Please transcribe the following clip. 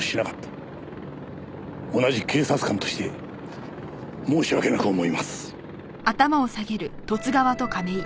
同じ警察官として申し訳なく思います。